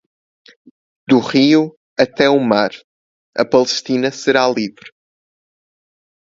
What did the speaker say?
Do Rio até o Mar, a Palestina será livre!